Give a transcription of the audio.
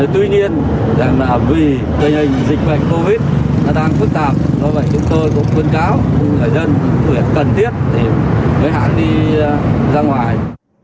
tuy nhiên vì tình hình dịch bệnh covid đang phức tạp chúng tôi cũng quân cáo người dân cần thiết với hãng đi ra ngoài